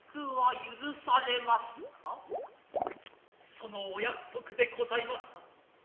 其のお約束でございました。